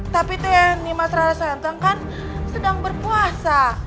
tapi teh nimas rara santang kan sedang berpuasa